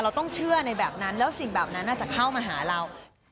เราต้องเชื่อในแบบนั้นแล้วสิ่งแบบนั้นอาจจะเข้ามาหาเรา